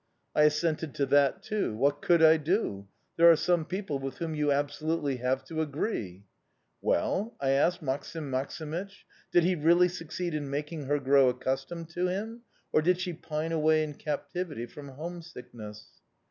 "I assented to that too... What could I do? There are some people with whom you absolutely have to agree." "Well?" I asked Maksim Maksimych. "Did he really succeed in making her grow accustomed to him, or did she pine away in captivity from home sickness?"